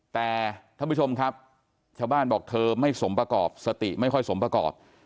แต่ท่านผู้ชมครับชาวบ้านบอกเธอไม่สมประกอบสติไม่ค่อยสมประกอบ